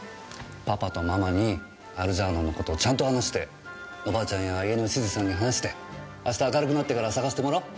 パパとママにアルジャーノンの事をちゃんと話しておばあちゃんや家の執事さんに話して明日明るくなってから捜してもらおう。